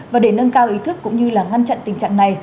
và để nâng cao ý thức cũng như là ngăn chặn tình trạng này